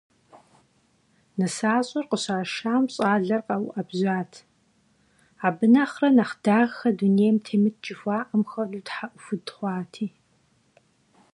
НысащӀэр къыщашам щӀалэр къэуӀэбжьат, абы нэхърэ нэхъ дахэ дунейм темыт жыхуаӀэм хуэдэу тхьэӀухуд хъуати.